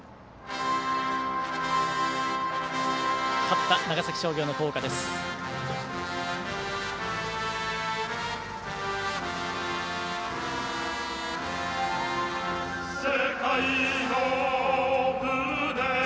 勝った長崎商業の校歌です。